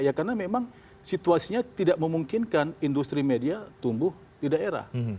ya karena memang situasinya tidak memungkinkan industri media tumbuh di daerah